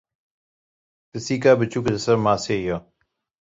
Pisîka biçûk li ser maseyê ye.